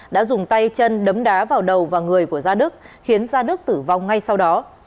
đã dùng tay chân đấm đá vào đầu và người của gia đức khiến gia đức tử vong ngay sau đó